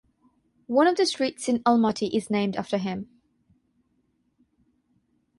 One of the streets in Almaty is named after him.